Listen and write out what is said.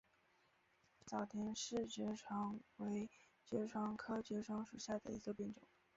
早田氏爵床为爵床科爵床属下的一个变种。